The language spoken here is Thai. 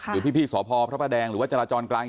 หรือพี่สพพระประแดงหรือว่าจราจรกลาง